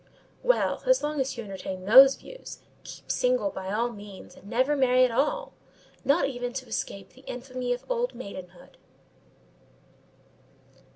"Well, as long as you entertain these views, keep single by all means, and never marry at all: not even to escape the infamy of old maidenhood."